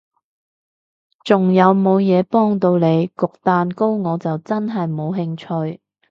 仲有無嘢幫到你？焗蛋糕我就真係冇興趣